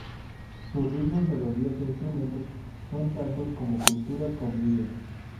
Sus ritmos, melodías e instrumentos son tantos como culturas conviven.